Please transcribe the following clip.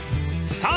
［さあ